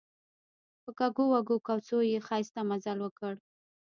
په کږو وږو کوڅو یې ښایسته مزل وکړ.